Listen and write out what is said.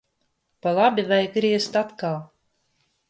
Pa labi vajag griezt atkal.